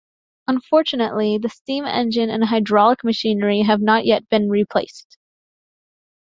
Unfortunately, the steam engine and hydraulic machinery have not yet been replaced.